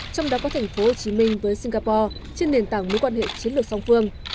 trong đó có thành phố hồ chí minh với singapore trên nền tảng mối quan hệ chiến lược song phương